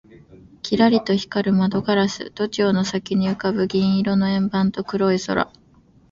キラリと光る窓ガラス、都庁の先に浮ぶ銀色の円盤と黒い空